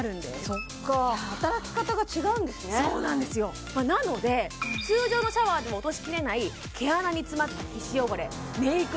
そっか働き方が違うんですねそうなんですよなので通常のシャワーでも落としきれない毛穴に詰まった皮脂汚れメイク